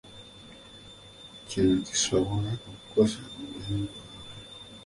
Kino kisobola okukosa obulamu bwabwe.